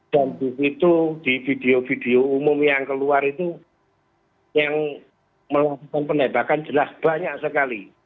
dan di situ di video video umum yang keluar itu yang melakukan penembakan jelas banyak sekali